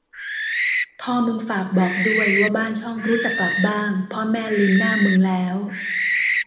พ่อมึงฝากบอกด้วย ว่าบ้านช่องรู้จักกลับบ้าง พ่อแม่ลืมหน้ามึงแล้ว